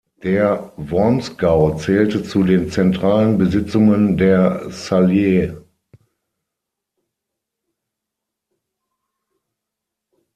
Der Wormsgau zählte zu den zentralen Besitzungen der Salier.